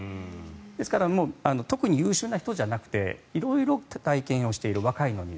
ですから特に優秀な人じゃなくて色々体験をしている若いのに。